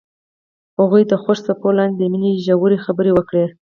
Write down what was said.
هغوی د خوښ څپو لاندې د مینې ژورې خبرې وکړې.